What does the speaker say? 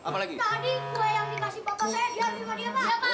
pak tadi gue yang dikasih bapak saya